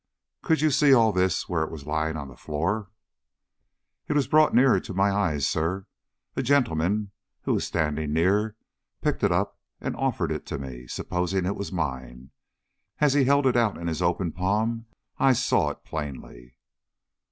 "Could you see all this where it was lying on the floor?" "It was brought nearer to my eyes, sir. A gentleman who was standing near, picked it up and offered it to me, supposing it was mine. As he held it out in his open palm I saw it plainly."